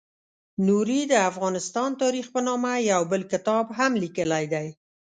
نوري د افغانستان تاریخ په نامه یو بل کتاب هم لیکلی دی.